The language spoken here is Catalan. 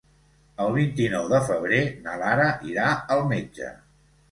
El vint-i-nou de febrer na Lara irà al metge.